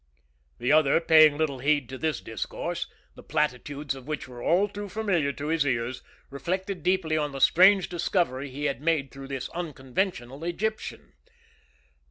The other, paying little heed to this discourse, the platitudes of which were all too familiar to his ears, reflected deeply on the strange discovery he had made through this unconventional Egyptian.